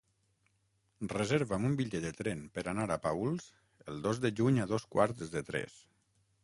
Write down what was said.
Reserva'm un bitllet de tren per anar a Paüls el dos de juny a dos quarts de tres.